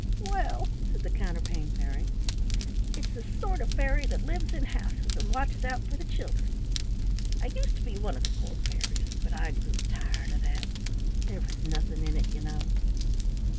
"Well," said the Counterpane Fairy, "it's the sort of a fairy that lives in houses and watches out for the children. I used to be one of the court fairies, but I grew tired of that. There was nothing in it, you know."